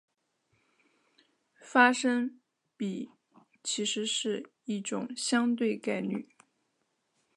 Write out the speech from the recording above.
发生比其实是一种相对概率。